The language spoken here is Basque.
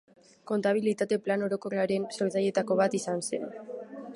Kontabilitate Plan Orokorraren sortzaileetako bat izan zen.